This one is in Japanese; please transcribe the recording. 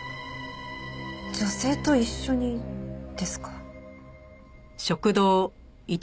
女性と一緒にですか。